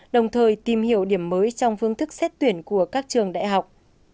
đồng thời tìm hiểu điểm mới trong phương thức xét tuyển của các trường đại học